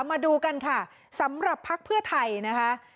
มาดูกันค่ะสำหรับภักดิ์เพื่อไทยนะคะ